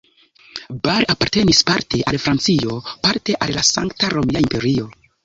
Bar apartenis parte al Francio, parte al la Sankta Romia Imperio.